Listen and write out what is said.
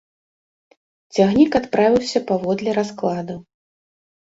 Цягнік адправіўся паводле раскладу.